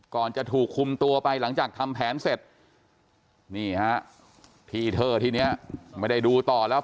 จะถูกคุมตัวไปหลังจากทำแผนเสร็จนี่ฮะที่เธอทีนี้ไม่ได้ดูต่อแล้ว